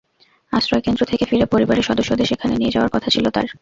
আশ্রয়কেন্দ্র থেকে ফিরে পরিবারের সদস্যদের সেখানে নিয়ে যাওয়ার কথা ছিল তাঁর।